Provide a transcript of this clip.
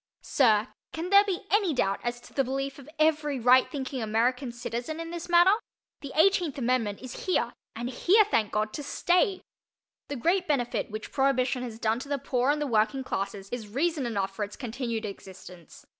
Sir, can there be any doubt as to the belief of every right thinking American citizen in this matter? The Eighteenth Amendment is here and here, thank God, to stay! The great benefit which Prohibition has done to the poor and the working classes is reason enough for its continued existence.